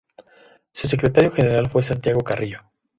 Su secretario general fue Santiago Carrillo.